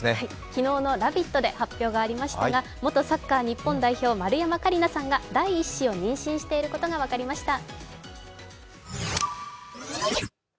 昨日の「ラヴィット！」で発表がありましたが元サッカー日本代表、丸山桂里奈さんが第１子を妊娠していることが分かりました。